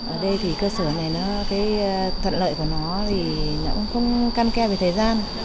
ở đây thì cơ sở này nó cái thuận lợi của nó thì nó cũng không cane về thời gian